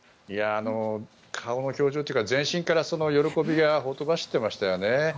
顔の表情というか全身から喜びがほとばしっていましたね。